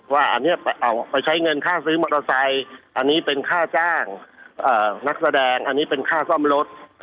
ว่าอันนี้ไปใช้เงินค่าซื้อมอเตอร์ไซค์อันนี้เป็นค่าจ้างนักแสดงอันนี้เป็นค่าซ่อมรถ